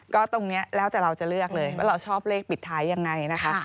ก็ตรงนี้แล้วแต่เราจะเลือกเลยว่าเราชอบเลขปิดท้ายยังไงนะคะ